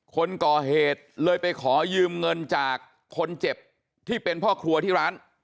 คนก่อเหตุเลยไปขอยืมเงินจากคนเจ็บที่เป็นพ่อครัวที่ร้าน